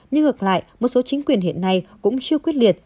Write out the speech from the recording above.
nhưng ngược lại một số chính quyền hiện nay cũng chưa quyết liệt